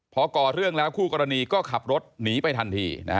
พอก่อเรื่องแล้วคู่กรณีก็ขับรถหนีไปทันที